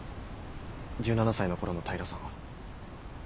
１７才の頃の平さんは。